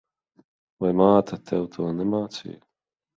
Vai māte tev to nemācīja?